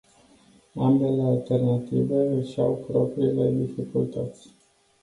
Ambele alternative își au propriile dificultăți.